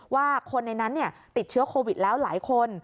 ว่าคนในนั้นติดเชื้อโควิดแล้วหลายคน